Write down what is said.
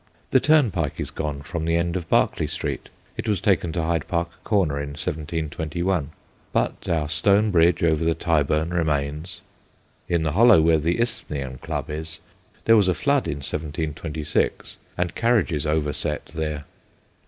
The turnpike is gone from the end of Berkeley Street ; it was taken to Hyde Park Corner in 1721. But our Stone Bridge over the Tyburn remains : in the hollow where the Isthmian Club is there was a flood in 1726, and carriages overset there.